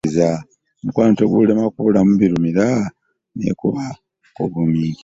Omukwano tegutera kubulamu birumira naye kuba kuguminkiriza.